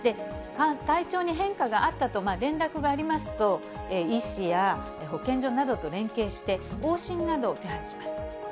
体調に変化があったと連絡がありますと、医師や保健所などと連携して、往診などを手配します。